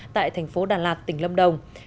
tại thành phố đà lạt tỉnh lâm đồng